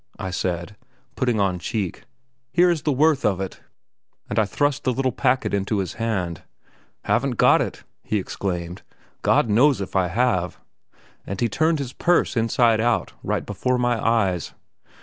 I said, putting on cheek; "here is the worth of it," and I thrust the little packet into his hand. "Haven't got it," he exclaimed. "God knows if I have!" and he turned his purse inside out right before my eyes.